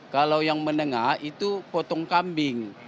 kalau yang menengah itu potong kambing